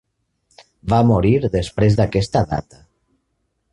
Va morir després d'aquesta data.